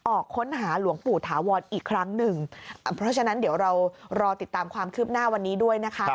ออกค้นหาหลวงปู่ถาวรอีกครั้งหนึ่งเพราะฉะนั้นเดี๋ยวเรารอติดตามความคืบหน้าวันนี้ด้วยนะคะ